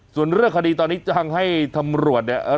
ส่วนเรื่องคดีตอนนี้จ้างให้ตำรวจเนี่ย